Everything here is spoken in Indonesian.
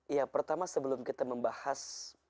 ya pertama sebelum kita membahas